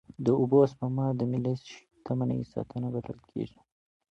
د اوبو سپما د ملي شتمنۍ ساتنه بلل کېږي.